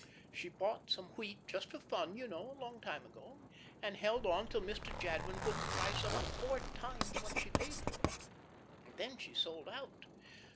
She bought some wheat, just for fun, you know, a long time ago, and held on till Mr. Jadwin put the price up to four times what she paid for it. Then she sold out.